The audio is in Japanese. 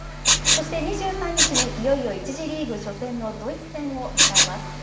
そして、２３日にいよいよ１次リーグ初戦のドイツ戦を迎えます。